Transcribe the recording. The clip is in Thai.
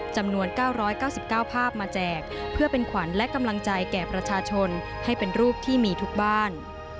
จำนวน๙๙๙ภาพมาแจกเพื่อเป็นขวัญและกำลังใจแก่ประชาชนให้เป็นรูปที่มีทุกบ้าน